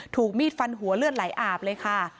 ถูกมีดฟันหัวเลือดไหลอาบเลยค่ะ